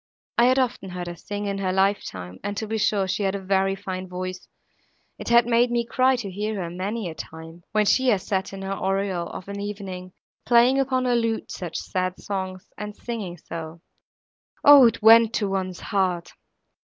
I had often heard her sing, in her life time, and to be sure she had a very fine voice; it had made me cry to hear her, many a time, when she has sat in her oriel, of an evening, playing upon her lute such sad songs, and singing so. O! it went to one's heart!